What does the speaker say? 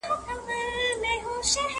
پر دښمن به مو ترخه زندګاني کړه!